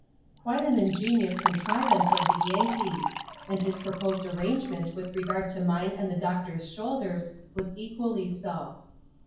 Quite an ingenious contrivance of the Yankee's ; and his proposed arrangement with regard to mine and the doctor's shoulders, was equally so.